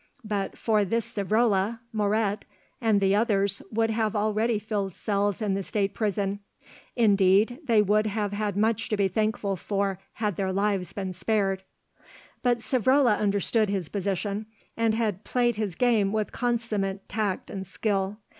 But for this Savrola, Moret, and the others would have already filled cells in the State Prison; indeed, they would have had much to be thankful for had their lives been spared. But Savrola understood his position, and had played his game with consummate tact and skill.